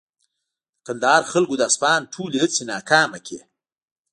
د کندهار خلکو د اصفهان ټولې هڅې ناکامې کړې.